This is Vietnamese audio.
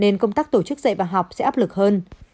nên công tác tổ chức dạy và học sẽ áp lực hơn